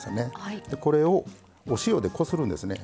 でこれをお塩でこするんですね。